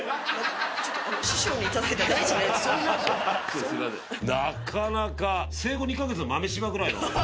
なかなか生後２カ月の豆柴ぐらいの。